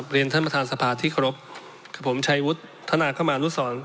เรียนท่านประธานสภาทริกรบชัยหุดธนาคมารุสรร